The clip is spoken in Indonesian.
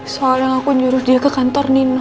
soalnya aku nyuruh dia ke kantor nino